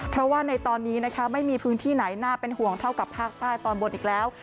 เพราะว่าในตอนนี้นะคะไม่มีพื้นที่ไหนน่าเป็นห่วงเท่ากับภาคใต้ตอนบนอีกแล้ว